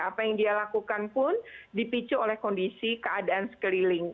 apa yang dia lakukan pun dipicu oleh kondisi keadaan sekeliling